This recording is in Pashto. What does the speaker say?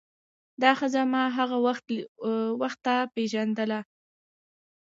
دا ښځه ما له هغه وخته پیژانده.